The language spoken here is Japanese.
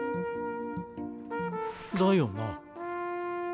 だよな。